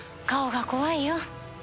顔が怖いよ。